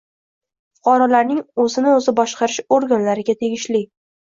fuqarolarning o‘zini o‘zi boshqarish organlariga tegishli.